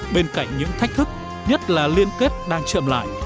bên cạnh những thách thức nhất là liên kết đang chậm lại